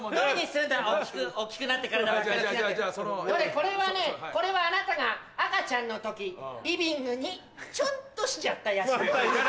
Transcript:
これはねこれはあなたが赤ちゃんの時リビングにちょっとしちゃったやつ。